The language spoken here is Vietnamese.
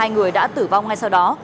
hai người đã tử vong ngay sau đó